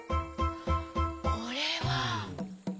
これは。